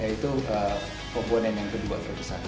yaitu komponen yang kedua terbesar